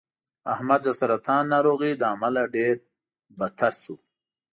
احمد د سرطان ناروغۍ له امله ډېر بته شو